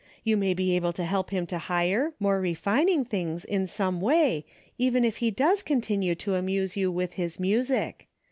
You may be able to help him to higher, more refining things in some way, even if he does continue to amuse you with his music.